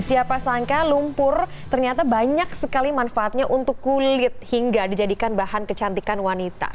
siapa sangka lumpur ternyata banyak sekali manfaatnya untuk kulit hingga dijadikan bahan kecantikan wanita